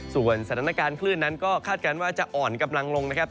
ส่วนสถานการณ์คลื่นนั้นก็คาดการณ์ว่าจะอ่อนกำลังลงนะครับ